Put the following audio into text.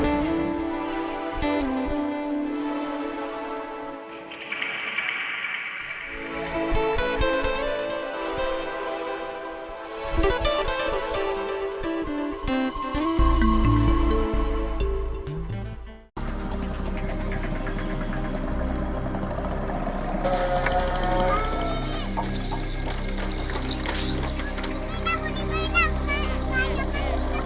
mendolong atau menguji penduduk prosthesis secara paranoid dan lengan etaka